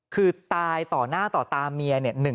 คือตายต่อหน้าต่อตาเมียเนี่ย